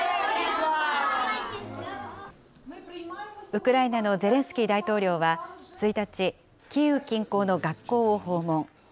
ウクライナのゼレンスキー大統領は１日、キーウ近郊の学校を訪問。